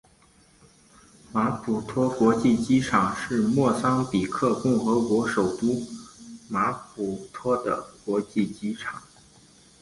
马普托国际机场是莫桑比克共和国首都马普托的国际机场。